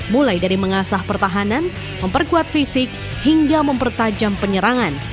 mulai dari mengasah pertahanan memperkuat fisik hingga mempertajam penyerangan